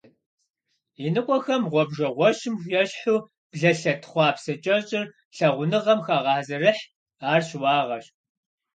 Иныкъуэхэм гъуэбжэгъуэщым ещхьу блэлъэт хъуапсэ кӀэщӀыр лъагъуныгъэм хагъэзэрыхь, ар щыуагъэщ.